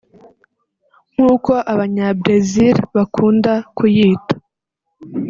nk’uko abanyabresil bakunda kuyita